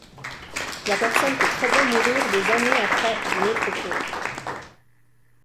La personne peut très bien mourir des années après d'une autre cause.